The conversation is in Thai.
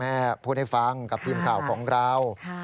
ให้พูดให้ฟังกับทีมข่าวของเรา